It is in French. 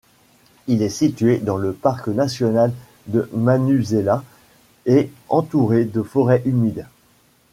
Il est situé dans le parc national de Manusela et entouré de forêt humide.